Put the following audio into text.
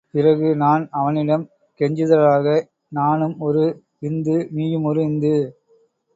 பிறகு நான் அவனிடம் கெஞ்சுதலாக, நானும் ஒரு இந்து, நீயும் ஒரு இந்து.